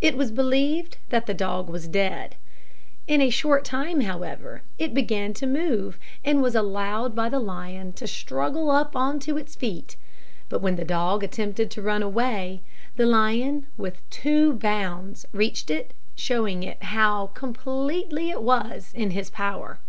It was believed that the dog was dead. In a short time, however, it began to move, and was allowed by the lion to struggle up on to its feet; but when the dog attempted to run away, the lion, with two bounds, reached it, showing it how completely it was in his power.